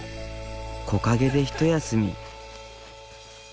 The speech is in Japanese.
木陰でひと休み。